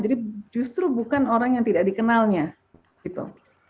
jadi justru bukan orang yang tidak dikenalnya gitu